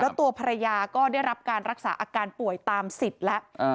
แล้วตัวภรรยาก็ได้รับการรักษาอาการป่วยตามสิทธิ์แล้ว